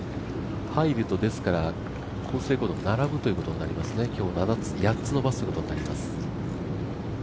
入ると、ですから並ぶということになりますね、今日８つ伸ばすことになります。